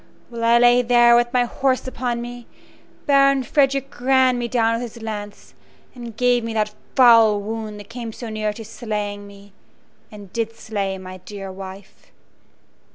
While I lay there with my horse upon me, Baron Frederick ran me down with his lance, and gave me that foul wound that came so near to slaying me and did slay my dear wife.